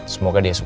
semoga dia suka